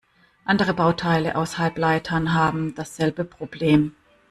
Andere Bauteile aus Halbleitern haben dasselbe Problem.